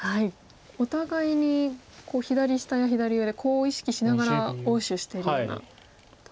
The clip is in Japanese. お互いに左下や左上でコウを意識しながら応手しているようなところですか。